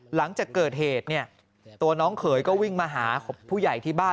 หลังจากเกิดเหตุเนี่ยตัวน้องเขยก็วิ่งมาหาผู้ใหญ่ที่บ้าน